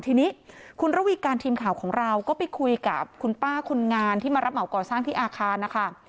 ทีนี้คุณระวีการทีมข่าวของเราก็ไปคุยกับคุณป้าคนงานที่มารับเหมาก่อสร้างที่อาคารนะคะ